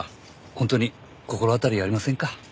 本当に心当たりありませんか？